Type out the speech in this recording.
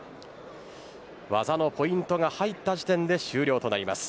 技のポイントが入った時点で終了となります。